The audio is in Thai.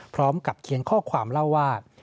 พร้อมกับเขียนข้อความเล่าว่า